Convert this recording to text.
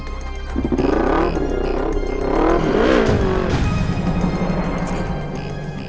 gue bikin anak serigala marah